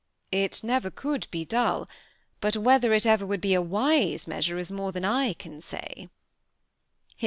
'' It never could be dull ; but whether it ever would be a wise measure, is more than I can say."